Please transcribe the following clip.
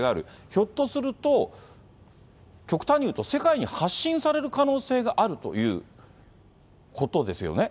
ひょっとすると、極端に言うと世界に発信される可能性があるということですよね。